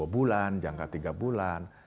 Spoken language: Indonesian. dua bulan jangka tiga bulan